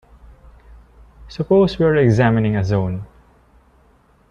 Suppose we are examining a zone.